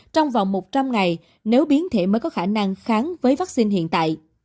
trong vòng một trăm linh ngày nếu biến thể mới có khả năng kháng với vaccine hiện tại